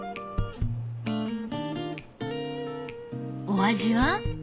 お味は？